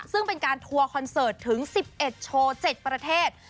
ซึ่งเป็นการทัวร์คอนเสิร์ตถึง๑๑โชว์๗ประเทศ